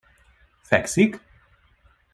Fekszik?